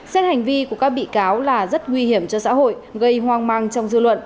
xét hành vi của các bị cáo là rất nguy hiểm cho xã hội gây hoang mang trong dư luận